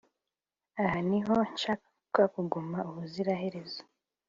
Aha niho nshaka kuguma ubuziraherezo